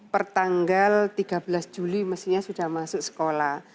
pertanggal tiga belas juli mestinya sudah masuk sekolah